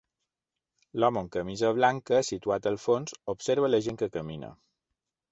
L'home amb camisa blanca situat al fons, observa la gent que camina.